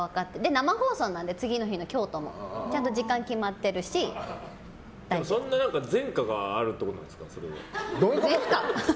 生放送なので次の日の京都もちゃんと時間決まってるしなんか前科があるってことなんですか？